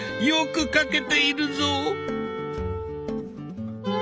よく描けているぞ！